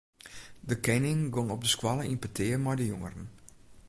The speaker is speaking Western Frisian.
De kening gong op de skoalle yn petear mei de jongeren.